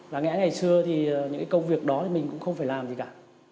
là ngã ngày xưa thì những cái công việc đó thì mình cũng không phải làm gì cả